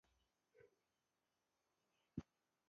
نه هم د غوړ شوي اوسپنې بوی.